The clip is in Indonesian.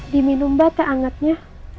diminum mbak teh angetnya